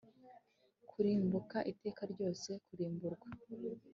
kurimbuka iteka ryose kurimburwa